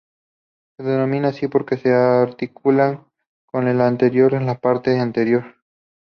Se denominan así porque se articulan con el esternón en la parte anterior.